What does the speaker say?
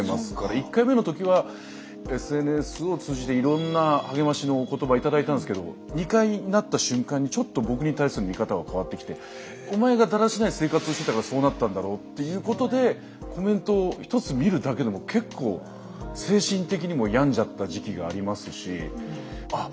１回目の時はＳＮＳを通じていろんな励ましのお言葉頂いたんですけど２回なった瞬間にちょっと僕に対する見方が変わってきてお前がだらしない生活をしてたからそうなったんだろっていうことでコメントを１つ見るだけでも結構精神的にも病んじゃった時期がありますしあっ